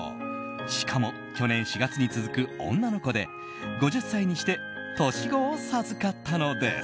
しかも、去年４月に続く女の子で５０歳にして年子を授かったのです。